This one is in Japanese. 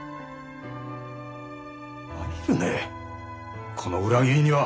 参るねこの裏切りには。